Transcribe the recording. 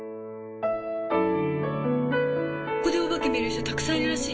ここでお化け見る人たくさんいるらしいよ。